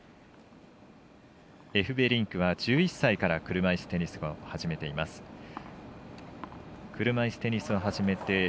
エフベリンクは１１歳から車いすテニスを始めています。